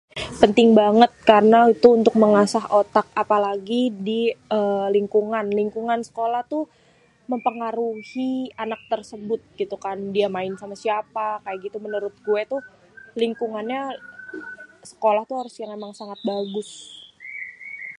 Penting banget karna itu mengasah otak apalagi di êêê lingkungan. Lingkungan sekolah tuh mempengaruhi anak tersebut gitu kan, dia main sama siapa kayak gitu. Menurut gué tuh lingkungannya, sekolah tuh harus sangat bagus.